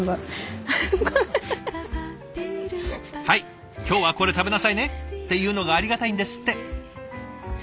はい今日はこれ食べなさいねっていうのがありがたいんですって。